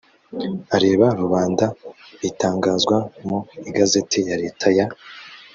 areba rubanda bitangazwa mu igazeti ya leta ya